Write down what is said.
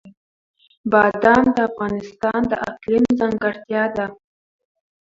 بادام د افغانستان د اقلیم ځانګړتیا ده.